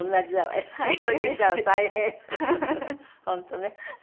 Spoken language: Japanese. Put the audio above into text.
本当ね。